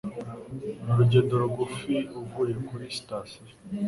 Ni urugendo rugufi uvuye kuri sitasiyo.